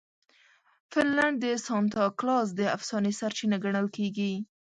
فنلنډ د سانتا کلاز د افسانې سرچینه ګڼل کیږي.